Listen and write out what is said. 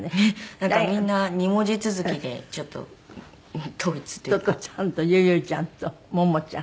なんかみんな２文字続きでちょっと統一というか。ととちゃんとゆゆちゃんとももちゃん。